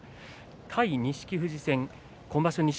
対錦富士戦、今場所錦